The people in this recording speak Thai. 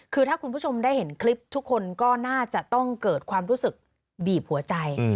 คือถ้าคุณผู้ชมได้เห็นคลิปทุกคนก็น่าจะต้องเกิดความรู้สึกบีบหัวใจ